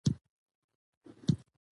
افغانستان په خپل آمو سیند باندې تکیه لري.